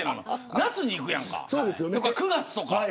夏に行くやんか、９月とか。